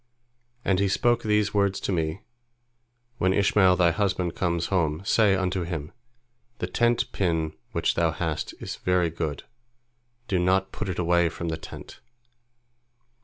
And he spoke these words to me, When Ishmael thy husband comes home, say unto him, The tent pin which thou hast is very good, do not put it away from the tent."